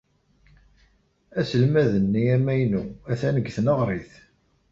Aselmad-nni amaynu atan deg tneɣrit.